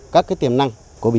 các tiềm năng